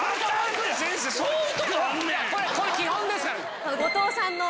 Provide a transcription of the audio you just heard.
これ基本ですから。